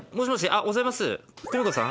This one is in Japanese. おはようございます公美子さん？